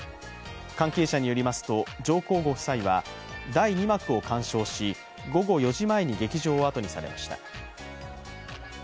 関係者によりますと、上皇ご夫妻は第２幕を鑑賞し、午後４時前に劇場をあとにされました。